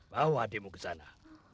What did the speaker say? bawa adikmu ke sana